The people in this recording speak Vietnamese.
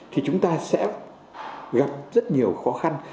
thì chúng ta sẽ gặp rất nhiều khó khăn